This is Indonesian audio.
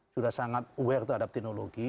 sudah sangat aware terhadap teknologi